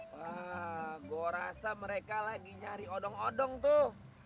wah gue rasa mereka lagi nyari odong odong tuh